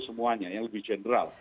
semuanya yang lebih general